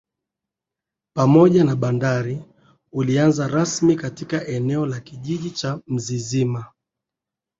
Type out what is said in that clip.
pamoja na bandari ulianza rasmi katika eneo la kijiji cha Mzizima